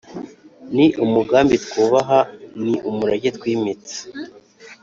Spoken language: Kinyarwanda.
ni umugambi twubaha, ni umurage twimitse